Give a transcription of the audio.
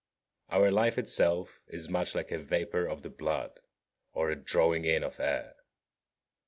Our life itself is much like a vapour of the blood or a drawing in of air.